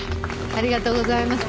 ありがとうございます。